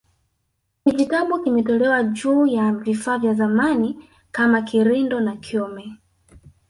Kijitabu kimetolewa juu ya vifaa vya zamani kama kirindo na kyome